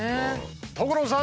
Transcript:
所さん！